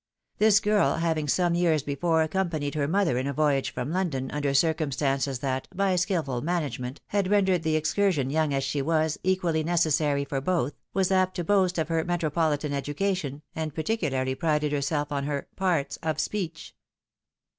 This girl having some years before accom panied her mother in her voyage from London, under circum MKS. MAJOK ALLEN RECEIVES A SHOCK. 5 stances tliat, by skilful management, had rendered the excursion, young as she was, equally necessary for both, was apt to boast of her metropolitan education, and particularly prided herself on her " parts of speech."